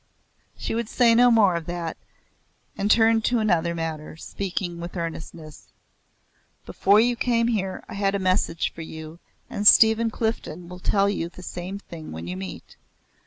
She would say no more of that and turned to another matter, speaking with earnestness; "Before you came here I had a message for you, and Stephen Clifden will tell you the same thing when you meet.